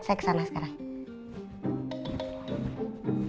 saya kesana sekarang